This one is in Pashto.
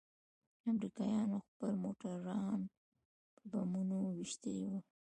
امريکايانو خپل موټران په بمونو ويشتلي وو.